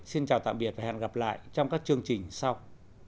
xin chào tạm biệt và hẹn gặp lại trong các chương trình sau